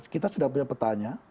kita sudah punya petanya